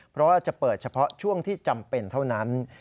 เพราะว่าจะเปิดเฉพาะช่วงที่จำเป็นเท่านั้น